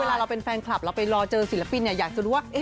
เราเป็นแฟนคลับเราไปรอเจอศิลปินอยากจะรู้ว่า